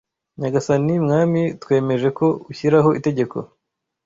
nyagasani mwami twemeje ko ushyiraho itegeko